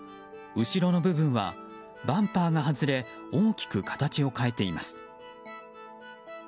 後ろの部分はバンパーが外れ大きく形を変えています。